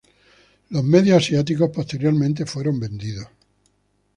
Los medios asiáticos posteriormente fueron vendidos.